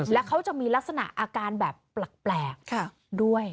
และเขาจะมีลักษณะอาการแบบแปลกด้วย